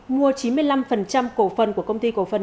mua chín mươi năm cổ phần của công ty cổ phần